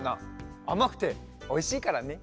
あまくておいしいからね。